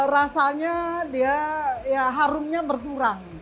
rasanya dia ya harumnya berkurang